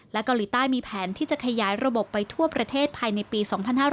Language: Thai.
เกาหลีใต้มีแผนที่จะขยายระบบไปทั่วประเทศภายในปี๒๕๕๙